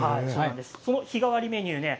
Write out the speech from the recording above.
その日替わりメニューね